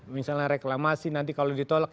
misalnya reklamasi nanti kalau ditolak